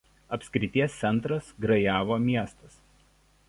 Apskrities centras Grajevo miestas.